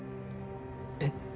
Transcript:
えっ？